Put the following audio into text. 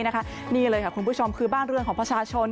นี่เลยค่ะคุณผู้ชมคือบ้านเรือนของประชาชน